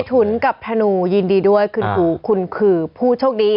เมทุนกับธนูยินดีด้วยคุณคือผู้โชคดี